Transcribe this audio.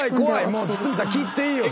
もう堤さん切っていいよ